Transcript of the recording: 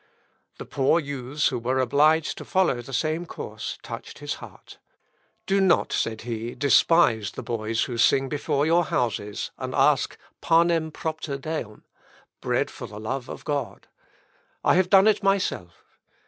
The poor youths who were obliged to follow the same course touched his heart. "Do not," said he, "despise the boys who sing before your houses, and ask 'panem propter Deum,' bread for the love of God; I have done it myself.